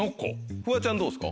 フワちゃんどうですか？